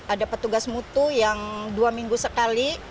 ada petugas mutu yang dua minggu sekali